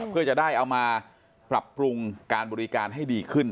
เพื่อจะได้เอามาปรับปรุงการบริการให้ดีขึ้น